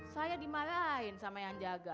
saya dimarahin sama yang jaga